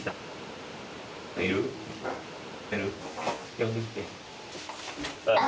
呼んできて。